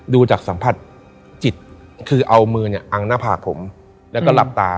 ดูจากสัมผัสจิตคือเอามือเนี่ยอังหน้าผากผมแล้วก็หลับตา